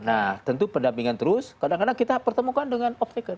nah tentu pendampingan terus kadang kadang kita pertemukan dengan off taker